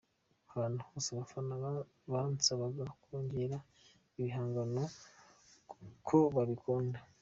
Ahantu hose abafana bansabaga kongera ibihangano kuko babikunda.